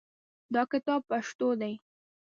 دا کتاب پښتو دی